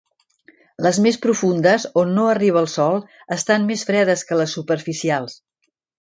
Les més profundes, on no arriba el sol, estan més fredes que les superficials.